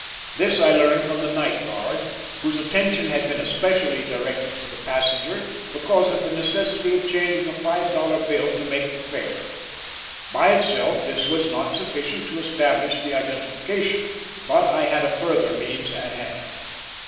This I learned from the night guard, whose attention had been especially directed to the passenger because of the necessity of changing a five dollar bill to make the fare. By itself this was not sufficient to establish the identification but I had a further means at hand.